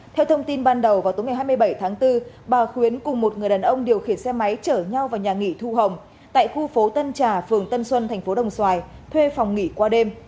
theo thông tin ban đầu vào tối ngày hai mươi bảy tháng bốn bà khuyến cùng một người đàn ông điều khiển xe máy chở nhau vào nhà nghỉ thu hồng tại khu phố tân trà phường tân xuân tp đồng xoài thuê phòng nghỉ qua đêm